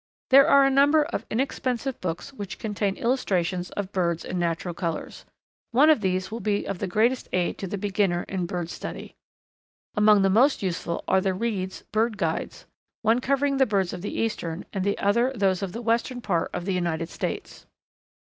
There are a number of inexpensive books which contain illustrations of birds in natural colours. One of these will be of the greatest aid to the beginner in bird study. Among the most useful are the Reed's, "Bird Guides," one covering the birds of the eastern and the other those of the western part of the United States.